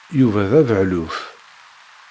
Yuba d abeɣluf.